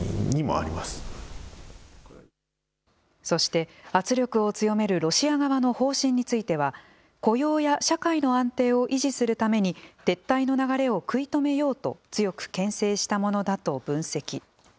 そして、圧力を強めるロシア側の方針については雇用や社会の安定を維持するために撤退の流れを食い止めようと強くけん制したものだと分析。